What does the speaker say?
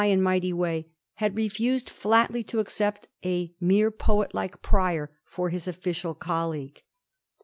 vl and mighty way, had refused flatly to accept a mere poet like Prior for his official colleague.